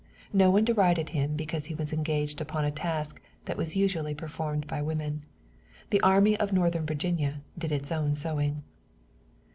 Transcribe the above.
No one derided him because he was engaged upon a task that was usually performed by women. The Army of Northern Virginia did its own sewing.